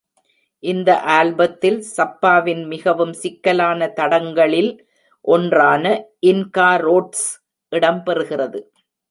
இந்த ஆல்பத்தில் சப்பாவின் மிகவும் சிக்கலான தடங்களில் ஒன்றான "இன்கா ரோட்ஸ்" இடம்பெறுகிறது.